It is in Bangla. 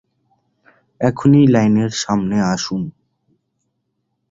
এখনই লাইনের সামনে আসুন।